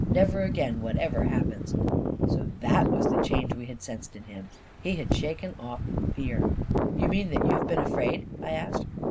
" Never again — what ever happens !" So that was the change we had sensed in him — he had shaken off fear. " You mean that you have been afraid? " I asked.